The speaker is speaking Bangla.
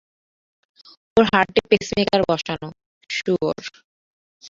ওর হার্টে পেসমেকার বসানো, শুয়োর।